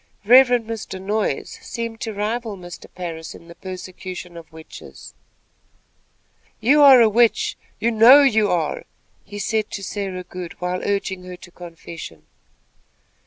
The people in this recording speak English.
Reverend Mr. Noyes seemed to rival Mr. Parris in the persecution of witches. "You are a witch. You know you are," he said to Sarah Good, while urging her to confession.